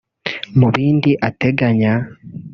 Mu bindi ateganya